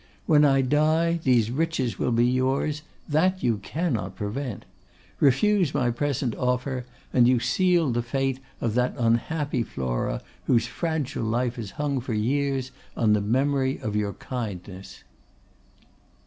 When I die, these riches will be yours; that you cannot prevent. Refuse my present offer, and you seal the fate of that unhappy Flora whose fragile life has hung for years on the memory of your kindness.